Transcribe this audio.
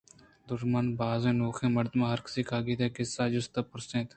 دژمن ءَ بازیں نوکیں مردم ہرکس کاگد ءِ قِصّہءِ جُست ءُپُرس ءَ اَت